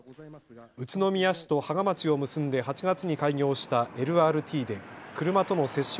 宇都宮市と芳賀町を結んで８月に開業したＬＲＴで車との接触